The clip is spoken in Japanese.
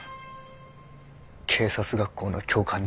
警察学校の教官になれ。